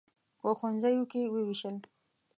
په ښوونځیو کې ووېشل.